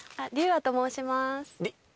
あと申します